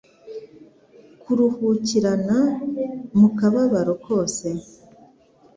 kuruhukirana mu kababaro kose,